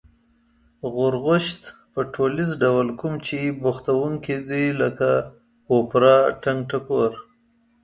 غورغوشت په ټولیز ډول کوم چې بوختوونکي دی لکه: اوپرا، ټنگټکور